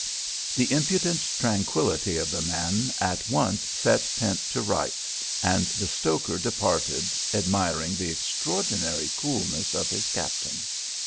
The impudent tranquillity of the man at once set Pent to rights and the stoker departed admiring the extraordinary coolness of his captain.